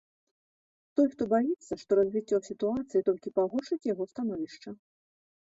Той, хто баіцца, што развіццё сітуацыі толькі пагоршыць яго становішча.